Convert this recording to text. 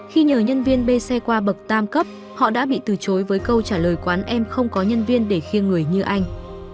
khi nhờ nhân viên b xe qua bậc tam cấp họ đã bị từ chối với câu trả lời quán em không có nhân viên để khiêng người như anh